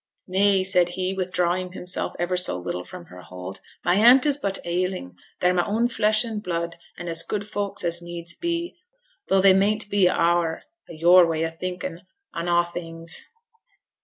'Nay,' said he, withdrawing himself ever so little from her hold; 'my aunt is but ailing, they're my own flesh and blood, and as good folks as needs be, though they mayn't be o' our o' your way o' thinking in a' things.'